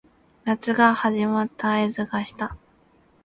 夏が始まった合図がした